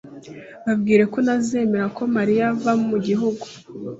Babwire ko ntazemera ko Mariya ava mu gihugu